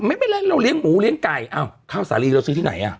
ไม่ไปเล่นเราเลี้ยหมูเลี้ยงไก่อ้าวข้าวสาลีเราซื้อที่ไหนอ่ะ